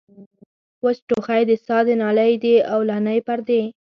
وچ ټوخی د ساه د نالۍ د اولنۍ پردې